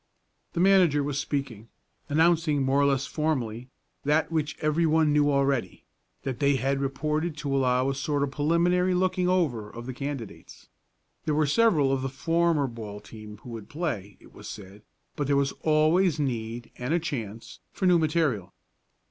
The manager was speaking, announcing more or less formally, that which everyone knew already that they had reported to allow a sort of preliminary looking over of the candidates. There were several of the former ball team who would play, it was said, but there was always need and a chance, for new material.